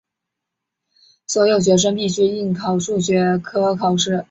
所有学生必须应考数学科考试。